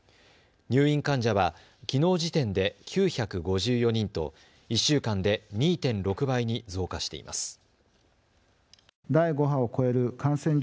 入院患者はきのう時点で９５４人と１週間で２．６倍に増加しています。